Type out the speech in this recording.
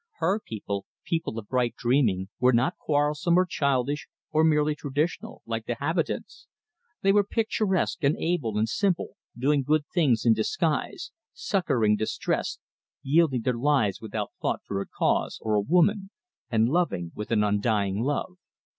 Her people people of bright dreaming were not quarrelsome, or childish, or merely traditional, like the habitants. They were picturesque and able and simple, doing good things in disguise, succouring distress, yielding their lives without thought for a cause, or a woman, and loving with an undying love.